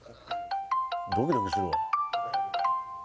ドキドキするわ。